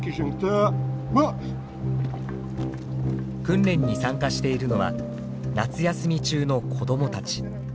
訓練に参加しているのは夏休み中の子どもたち。